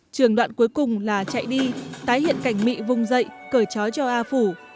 trường đoạn cuối cùng là chạy đi tái hiện cảnh mỹ vung dậy cởi chói cho a phủ